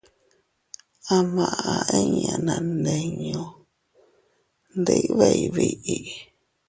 A maʼa inña naandinñu ndibeʼey biʼi.